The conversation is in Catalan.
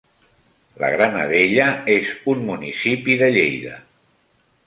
La Granadella és un municipi de Lleida.